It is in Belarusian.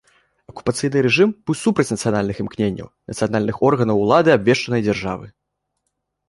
Акупацыйны рэжым быў супраць нацыянальных імкненняў, нацыянальных органаў улады абвешчанай дзяржавы.